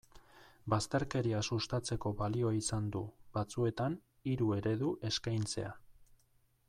Bazterkeria sustatzeko balio izan du, batzuetan, hiru eredu eskaintzea.